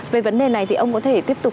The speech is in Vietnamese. về vấn đề này thì ông có thể tiếp tục